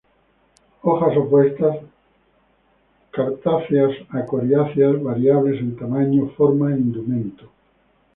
Hojas opuestas, cartáceas a coriáceas, variables en tamaño, forma e indumento.